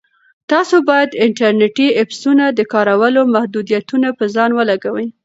تاسو باید د انټرنیټي ایپسونو د کارولو محدودیتونه په ځان ولګوئ.